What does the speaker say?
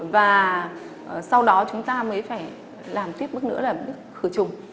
và sau đó chúng ta mới phải làm tiếp bước nữa là bước khử trùng